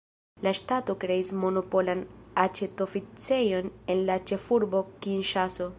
La ŝtato kreis monopolan aĉetoficejon en la ĉefurbo Kinŝaso.